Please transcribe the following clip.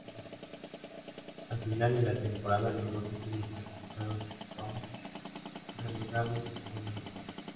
Al final de la temporada los dos últimos clasificados son relegados a Segunda Liga.